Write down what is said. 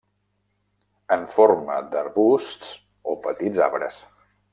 En forma d'arbusts o petits arbres.